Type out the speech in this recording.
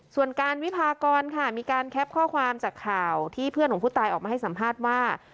ส่วนการวิพากรค่ะมีการแคปข้อความจากข่าวที่เพื่อนของผู้ตายออกมาให้สัมภาษณ์ว่า